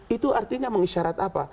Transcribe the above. itu artinya mengisyarat apa